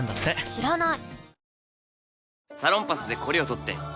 知らない！